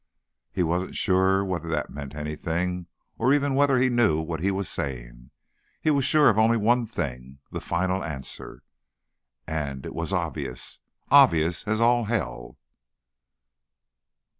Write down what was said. He wasn't sure whether that meant anything, or even whether he knew what he was saying. He was sure of only one thing: the final answer. And it was obvious. Obvious as all hell.